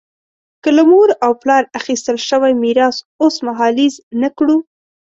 که له مور او پلار اخیستل شوی میراث اوسمهالیز نه کړو.